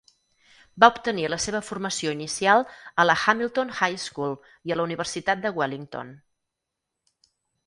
Va obtenir la seva formació inicial a la Hamilton High School i a la Universitat de Wellington.